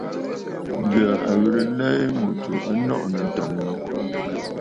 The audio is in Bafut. Ǹjə̀ə̀ ghɨ̀rə nlɛ yi ŋù tsù a nɔʼɔ̀ nɨ̂ ǹtɔ̀ŋə̂ yi.